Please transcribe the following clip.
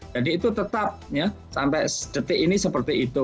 jadi itu tetap sampai detik ini seperti itu